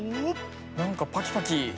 なんかパキパキ。